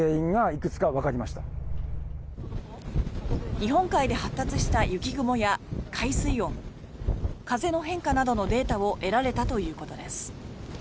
日本海で発達した雪雲や海水温風の変化などのデータを得られたということです。